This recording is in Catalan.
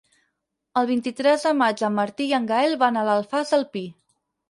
El vint-i-tres de maig en Martí i en Gaël van a l'Alfàs del Pi.